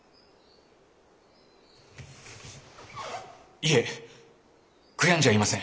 いえ悔やんじゃいません。